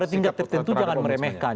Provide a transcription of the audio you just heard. pada tingkat tertentu jangan meremehkan